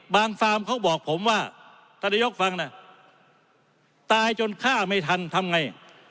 ฟาร์มเขาบอกผมว่าท่านนายกฟังนะตายจนฆ่าไม่ทันทำไง